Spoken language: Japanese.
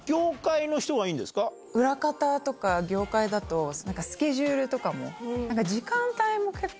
裏方とか業界だとスケジュールとかも。